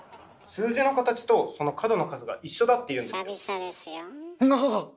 数字の形とその角の数が一緒だっていうんですよ。なぁぁ！